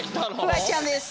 フワちゃんです。